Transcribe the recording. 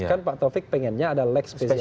kan pak taufik pengennya ada leg spesialis